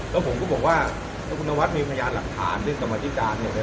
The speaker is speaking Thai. แล้วผมก็บอกว่าถ้าคุณนวัดมีพยานหลักฐานเรื่องกรรมธิการเนี่ย